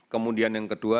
kemudian yang kedua